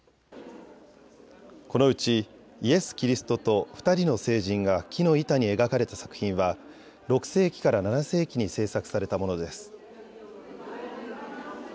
このうちイエス・キリストと２人の聖人が木の板に描かれた作品は６世紀から７世紀に制作されたものです。